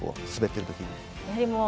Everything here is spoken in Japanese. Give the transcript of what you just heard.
滑ってるときに。